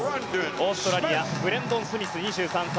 オーストラリアブレンドン・スミス、２３歳。